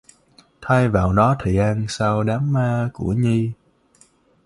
Thay vào đó thời gian sau đám ma của Nhi